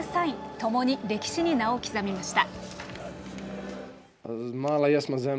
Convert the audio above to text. ともに、歴史に名を刻みました。